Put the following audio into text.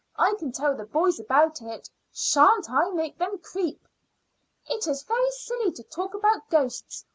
I can tell the boys about it. Sha'n't I make them creep?" "It is very silly to talk about ghosts.